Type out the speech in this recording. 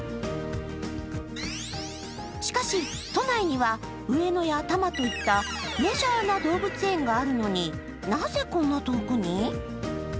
しかし都内には上野や多摩といったメジャーな動物園があるのになぜ、こんな遠くに？